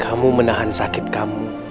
kamu menahan sakit kamu